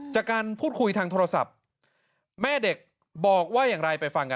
จากการพูดคุยทางโทรศัพท์แม่เด็กบอกว่าอย่างไรไปฟังกัน